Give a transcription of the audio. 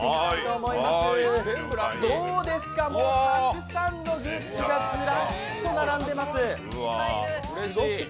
どうですか、もうたくさんのグッズがずらりと並んでいます。